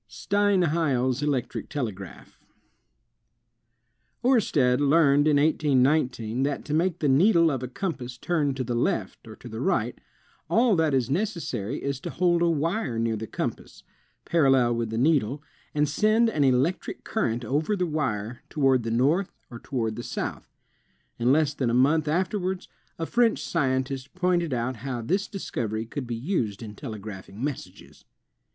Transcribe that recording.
ELECTRIC NEEDLE TELEGRAPH jt SAMUEL F. B. MORSE 211 Steinheil's Electric Telegraph Oersted learned in 1819, that to make the needle of a compass turn to the left or to the right, all that is neces sary is to hold a wire near the compass, parallel with the needle, and send an electric current over the wire toward the north or toward the south. In less than a month afterwards, a French scientist pointed out how this dis covery could be used in telegraphing messages.